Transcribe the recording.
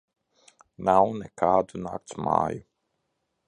Nav nekādu naktsmāju.